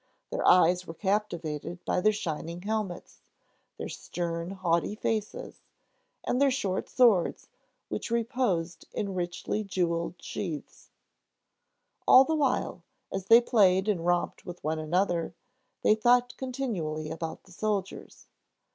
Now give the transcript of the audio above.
Their eyes were captivated by their shining helmets, their stern, haughty faces, and their short swords, which reposed in richly jeweled sheaths. All the while, as they played and romped with one another, they thought continually about the soldiers.